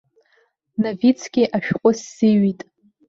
Новицки ашәҟәы сзиҩит.